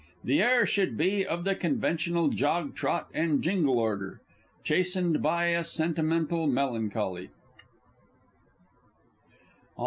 The air should be of the conventional jog trot and jingle order, chastened by a sentimental melancholy.